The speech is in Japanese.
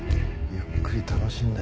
ゆっくり楽しんで。